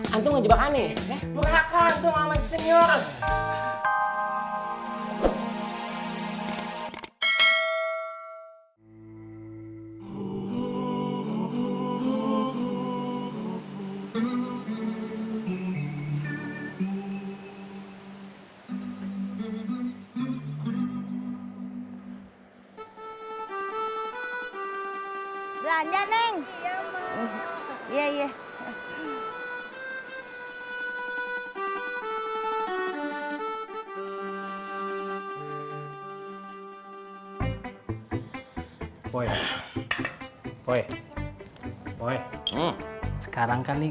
antum gak dibakar aneh